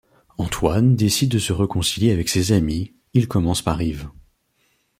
Antoine décide de se réconcilier avec ses amis, il commence par Yves.